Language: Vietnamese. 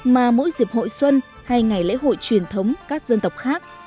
mà mỗi dịp hội xuân hay ngày lễ hội truyền thống các dân tộc khác